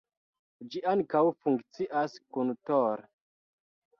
Ĝi ankaŭ funkcias kun Tor.